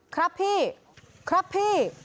ครับพี่ครับพี่